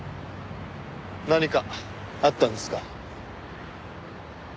何かあったんですか？